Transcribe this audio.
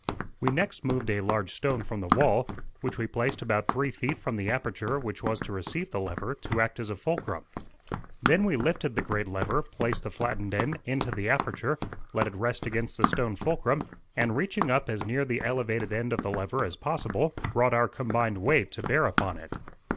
We next moved a large stone from the wall, which we placed about three feet from the aperture which was to receive the lever, to act as a fulcrum. Then we lifted the great lever, placed the flattened end into the aperture, let it rest against the stone fulcrum, and reaching up as near the elevated end of the lever as possible, brought our combined weight to bear upon it.